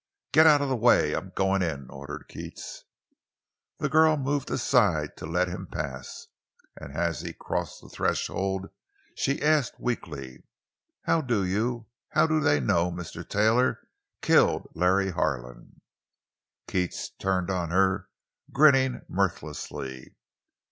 "Get out of the way—I'm goin' in!" ordered Keats. The girl moved aside to let him pass, and as he crossed the threshold she asked, weakly: "How do you—how do they know Mr. Taylor killed Larry Harlan?" Keats turned on her, grinning mirthlessly.